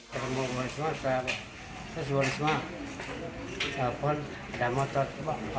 saya mau ke rumah wisma saya mau ke rumah wisma